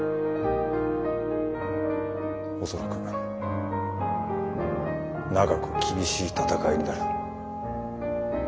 恐らく長く厳しい闘いになる。